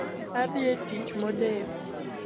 Adhi e tich modeko